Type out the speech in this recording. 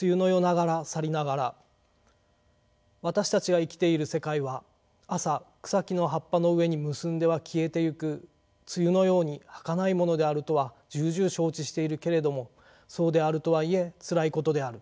私たちが生きている世界は朝草木の葉っぱの上に結んでは消えていく露のようにはかないものであるとはじゅうじゅう承知しているけれどもそうであるとはいえつらいことである。